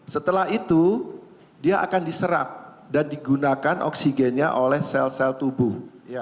setelah itu dia akan diserap dan digunakan oksigennya oleh sel sel tubuh